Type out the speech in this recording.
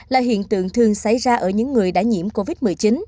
là hiện tượng thường xảy ra ở những người đã nhiễm covid một mươi chín